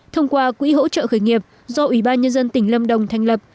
thông qua quỹ hỗ trợ khởi nghiệp do ủy ban nhân dân tỉnh lâm đồng thành lập